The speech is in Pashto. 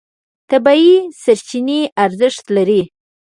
طبیعي سرچینه ارزښت لري.